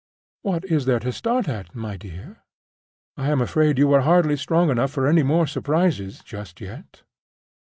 —What is there to start at, my dear? I am afraid you are hardly strong enough for any more surprises just yet?"